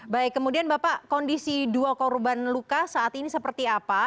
baik kemudian bapak kondisi dua korban luka saat ini seperti apa